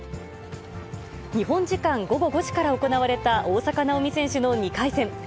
日本時間午後５時から行われた、大坂なおみ選手の２回戦。